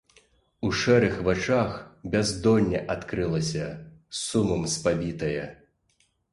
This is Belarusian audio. У шэрых вачах бяздонне адкрылася, сумам спавітае.